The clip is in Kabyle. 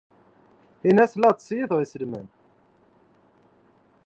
Ini-as la ttṣeyyideɣ iselman.